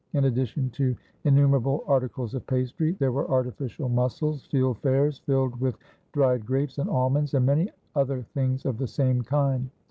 In addition to innu merable articles of pastry, there were artificial mussels, field fares filled with dried grapes and almonds, and many other things of the same kind.